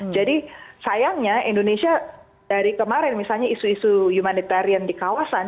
jadi sayangnya indonesia dari kemarin misalnya isu isu humanitarian di kawasan